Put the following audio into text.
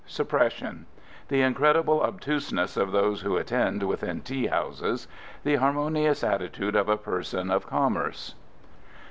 Suppression. The incredible obtuseness of those who attend within tea houses. The harmonious attitude of a person of commerce.